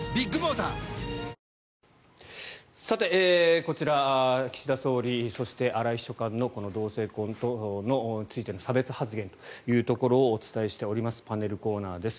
こちら、岸田総理そして、荒井秘書官の同性婚についての差別発言というところをお伝えしていますパネルコーナーです。